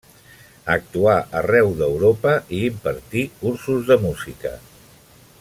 Actuà arreu d'Europa i impartí cursos de música.